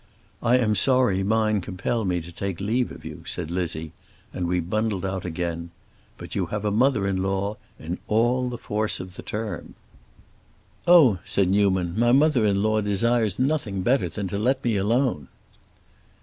'I am sorry mine compel me to take leave of you,' said Lizzie. And we bundled out again. But you have a mother in law, in all the force of the term." "Oh," said Newman, "my mother in law desires nothing better than to let me alone."